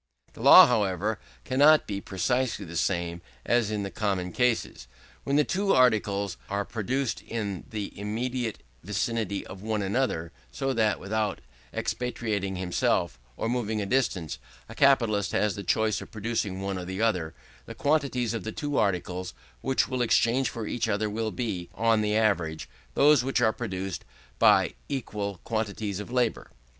The law, however, cannot be precisely the same as in the common cases. When two articles are produced in the immediate vicinity of one another, so that, without expatriating himself, or moving to a distance, a capitalist has the choice of producing one or the other, the quantities of the two articles which will exchange for each other will be, on the average, those which are produced by equal quantities of labour.